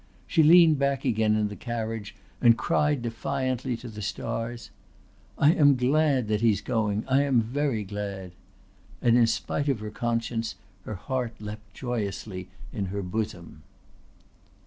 She leaned back again in the carriage and cried defiantly to the stars. "I am glad that he's going. I am very glad." And in spite of her conscience her heart leaped joyously in her bosom.